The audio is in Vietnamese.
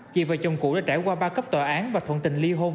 chị và chồng cũ đã trải qua ba cấp tòa án và thuận tình ly hôn